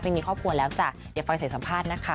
ไม่มีครอบครัวแล้วจ้ะเดี๋ยวฟังเสียงสัมภาษณ์นะคะ